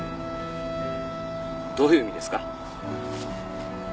どういう意味ですか？